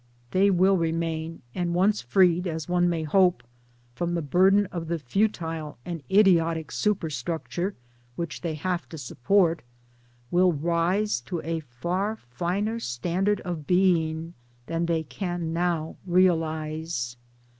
They will remain and, once freed (as one may hope) from the burden of the futile and idiotic superstructure which they have to support, will rise to a far finer standard of being] than they can now realize.